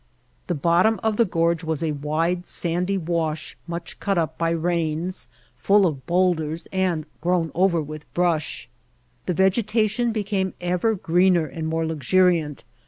The bottom of the gorge was a wide, sandy wash much cut up by rains, full of boulders and grown over with brush. The vegetation be came ever greener and more luxuriant.